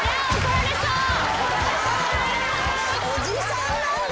おじさんなんだ。